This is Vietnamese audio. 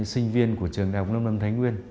sinh viên của trường đại học năm năm thánh nguyên